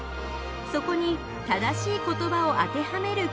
そこに正しい言葉を当てはめるクイズです。